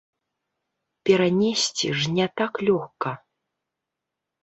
Перанесці ж не так лёгка.